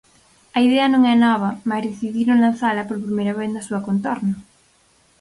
A idea non é nova mais decidiron lanzala por primeira vez na súa contorna.